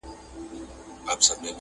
قدرت ژوند، دین او ناموس د پاچاهانو؛